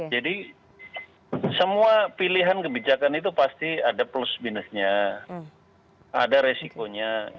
jadi semua pilihan kebijakan itu pasti ada plus minusnya ada risikonya